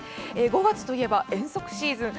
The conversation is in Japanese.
５月といえば、遠足シーズン。